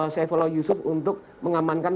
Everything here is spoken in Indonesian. saifullah yusuf untuk mengamankan